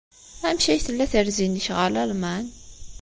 Amek ay tella terzi-nnek ɣer Lalman?